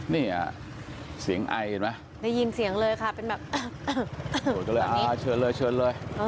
นี่เสียงไอเห็นไหมได้ยินเสียงเลยครับเป็นแบบเชิญเลยเชิญเลย